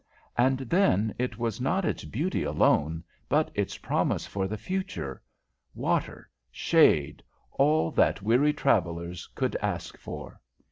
And then it was not its beauty only, but its promise for the future: water, shade, all that weary travellers could ask for.